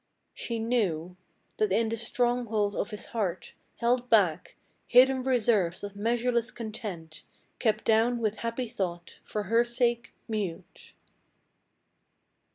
She knew That in the stronghold of his heart, held back, Hidden reserves of measureless content Kept down with happy thought, for her sake mute.